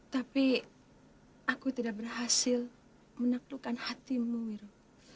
tapi aku tidak berhasil menaklukkan hatimu wiro